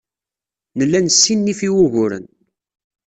Nella nessinif i wuguren.